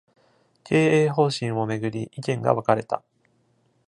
経営方針を巡り、意見が分かれた